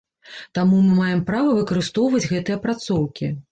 Таму мы маем права выкарыстоўваць гэтыя апрацоўкі.